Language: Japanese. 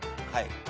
はい。